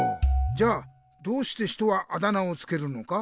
じゃあどうして人はあだ名をつけるのか？